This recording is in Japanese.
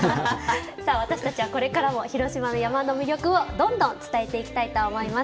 私たちはこれからも広島の山の魅力をどんどん伝えていきたいと思います。